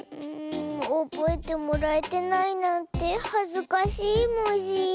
おぼえてもらえてないなんてはずかしいモジ。